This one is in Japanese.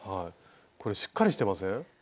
これしっかりしてません？